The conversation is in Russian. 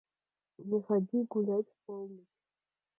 Не ходи гулять в полночь.